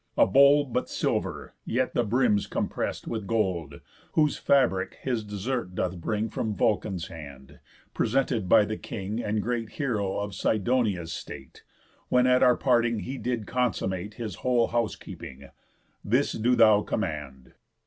A bowl but silver, yet the brim's comprest With gold, whose fabric his desert doth bring From Vulcan's hand, presented by the king And great heroë of Sidonia's state, When at our parting he did consummate His whole house keeping. This do thou command."